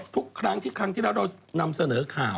ทุกครั้งที่เรานำเสนอข่าว